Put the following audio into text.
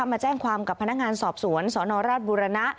มาแจ้งความกับพนักงานสอบสวนสนราชบุรณะ